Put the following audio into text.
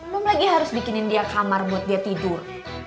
belum lagi harus bikinin dia kamar buat dia tidur